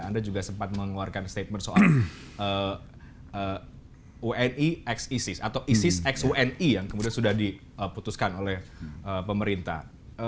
anda juga sempat mengeluarkan statement soal wni x isis atau isis x uni yang kemudian sudah diputuskan oleh pemerintah